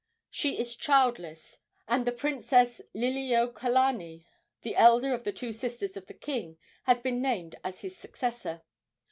She is childless, and the Princess Liliuokalani, the elder of the two sisters of the king, has been named as his successor.